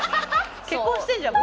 結婚してんじゃん。